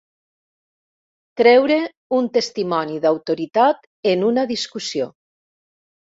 Treure un testimoni d'autoritat en una discussió.